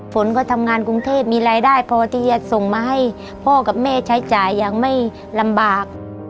ฝนก็ทำงานกรุงเทพมีรายได้พอที่จะส่งมาให้พ่อกับแม่ใช้จ่ายอย่างไม่ลำบาก